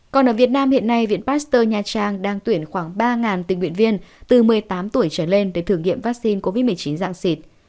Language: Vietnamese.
còn ở việt nam hiện nay viện pasteur nha trang đang tuyển khoảng ba tình nguyện viên từ một mươi tám tuổi trở lên để thử nghiệm vaccine covid một mươi chín dạng xịt